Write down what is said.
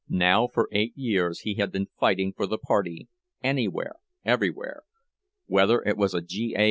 Now for eight years he had been fighting for the party, anywhere, everywhere—whether it was a G.A.